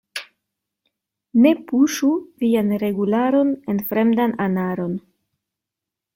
Ne puŝu vian regularon en fremdan anaron.